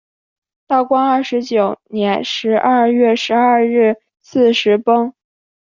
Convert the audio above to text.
道光二十九年十二月十二日巳时崩。